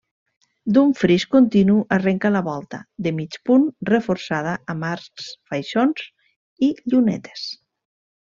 D'un fris continu arrenca la volta, de mig punt, reforçada amb arcs faixons i llunetes.